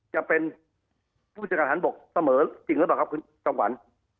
จะเป็นผู้พงศาลทหารบกเสมอจริงหรือเปล่าครับคุณชวน